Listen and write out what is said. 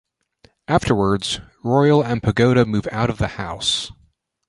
Afterwards, Royal and Pagoda move out of the house.